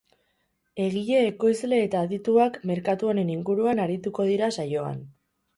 Egile, ekoizle eta adituak merkatu honen inguruan arituko dira saioan.